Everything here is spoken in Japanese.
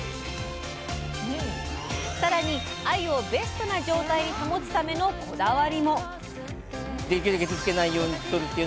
さらにあゆをベストな状態に保つためのこだわりも！